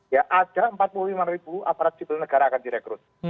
ya ada empat puluh lima ribu aparat sipil negara akan direkrut